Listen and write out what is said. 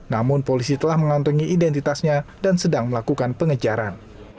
namun polisi telah mengantongi identitasnya dan sedang melakukan pengejaran